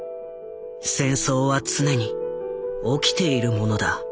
戦争は常に「起きている」ものだ。